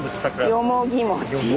よもぎ餅。